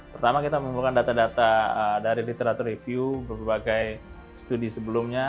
pertama kita mengumpulkan data data dari literatur review berbagai studi sebelumnya